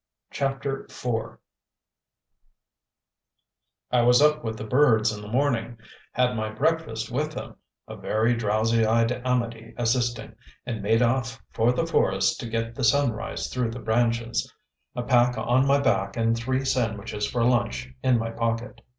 CHAPTER IV I was up with the birds in the morning; had my breakfast with them a very drowsy eyed Amedee assisting and made off for the forest to get the sunrise through the branches, a pack on my back and three sandwiches for lunch in my pocket.